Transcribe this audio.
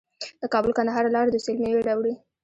د کابل کندهار لاره د سویل میوې راوړي.